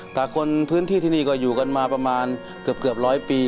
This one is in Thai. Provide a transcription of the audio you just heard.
แต่คนพื้นที่ที่นี่ก็อยู่กันมาประมาณเกือบร้อยปี